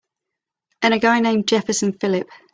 And a guy named Jefferson Phillip.